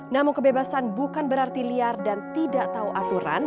namun kebebasan bukan berarti liar dan tidak tahu aturan